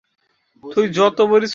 কারণ এই সাত দিন কেউ তাকে দেখতে আসে নি।